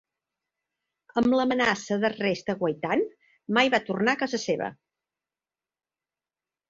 Amb l'amenaça d'arrest aguaitant, mai va tornar a casa seva.